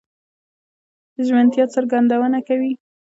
د ژمنتيا څرګندونه کوي؛